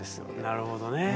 なるほどね。